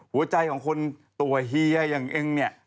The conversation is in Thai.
หัวใจของคนตัวเฮียอย่างเองเนี่ย